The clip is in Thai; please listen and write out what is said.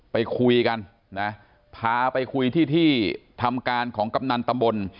ไปคุยกันนะพาไปคุยที่ที่ทำการของกำนันตำบล